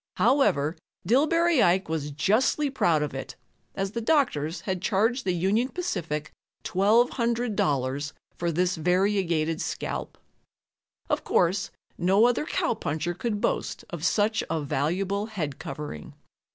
However, Dillbery Ike was justly proud of it, as the doctors had charged the Union Pacific $1,200 for this variegated scalp. Of course, no other cowpuncher could boast of such a valuable head covering.